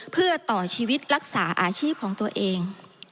เพื่อต่อชีวิตรักษาอาชีพของตัวเอง